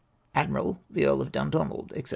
" Admiral the Earl of Dundonald, &c."